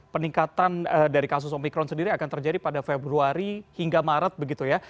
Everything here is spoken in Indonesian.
peningkatan dari kasus omikron sendiri akan terjadi pada februari hingga maret begitu ya